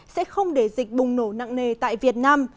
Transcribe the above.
sẽ không để dịch bùng nổ nặng nề tại việt nam